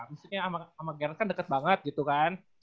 maksudnya sama genre kan deket banget gitu kan